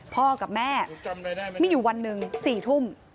พ่อกับแม่มีอยู่วันหนึ่ง๔ทุ่ม